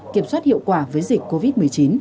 kiểm soát hiệu quả với dịch covid một mươi chín